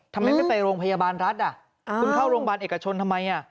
ทำไมไม่ไปโรงพยาบาลรัฐอ่ะคุณเข้าโรงพยาบาลเอกชนทำไม